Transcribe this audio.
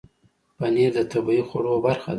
پنېر د طبیعي خوړو برخه ده.